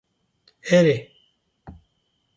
Erê